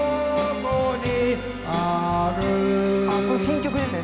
これ新曲ですね